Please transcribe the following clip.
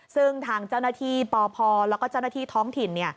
ซึ่งทางเจ้าหน้าที่ปพแล้วก็เจ้าหน้าที่ท้องถิ่น